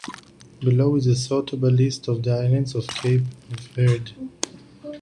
Below is a sortable list of the islands of Cape Verde.